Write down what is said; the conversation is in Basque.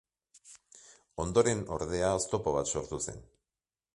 Ondoren, ordea, oztopo bat sortu zen.